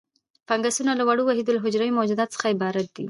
فنګسونه له وړو وحیدالحجروي موجوداتو څخه عبارت دي.